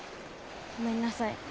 ごめんなさい。